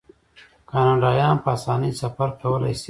کاناډایان په اسانۍ سفر کولی شي.